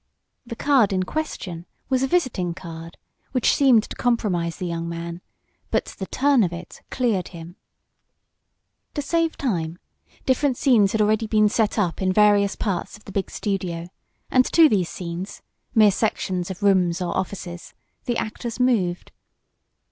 The "card" in question, was a visiting card, which seemed to compromise the young man, but the "turn" of it cleared him. To save time, different scenes had already been set up in various parts of the big studio, and to these scenes mere sections of rooms or offices the actors moved.